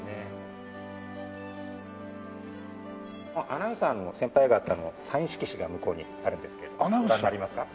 アナウンサーの先輩方のサイン色紙が向こうにあるんですけれどご覧になりますか？